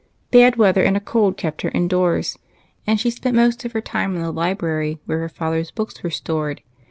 Bad weather and a cold kept her in doors, and she spent most of her time in the library where her father's books were stored.